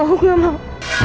aku gak mau